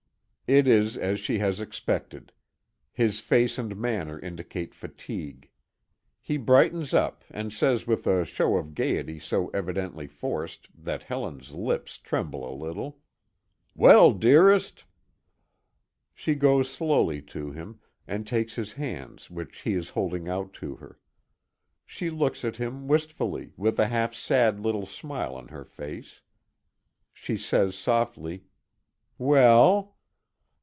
It is as she has expected. His face and manner indicate fatigue. He brightens up and says with a show of gayety so evidently forced that Helen's lips tremble a little: "Well, dearest!" She goes slowly to him, and takes his hands which he is holding out to her. She looks at him wistfully, with a half sad little smile on her face. She says softly: "Well?"